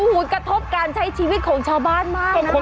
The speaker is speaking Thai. คือกระทบการใช้ชีวิตของชาวบ้านมากนะครับ